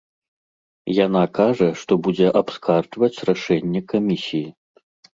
Яна кажа, што будзе абскарджваць рашэнне камісіі.